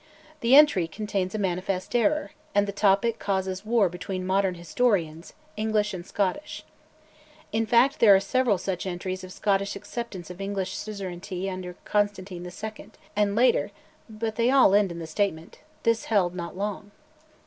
The entry contains a manifest error, and the topic causes war between modern historians, English and Scottish. In fact, there are several such entries of Scottish acceptance of English suzerainty under Constantine II., and later, but they all end in the statement, "this held not long."